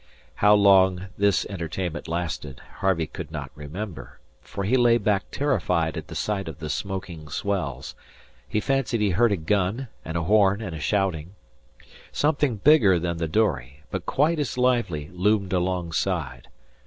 How long this entertainment lasted, Harvey could not remember, for he lay back terrified at the sight of the smoking swells. He fancied he heard a gun and a horn and shouting. Something bigger than the dory, but quite as lively, loomed alongside.